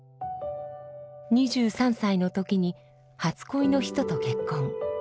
２３歳の時に初恋の人と結婚。